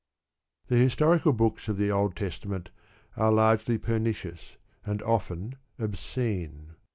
The historical books of the Old Testament are largely pernicious, and often obscene.